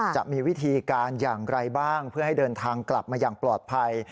จะมีวิธีการอย่างไรบ้างเพื่อให้เดินทางกลับมาอย่างปลอดภัย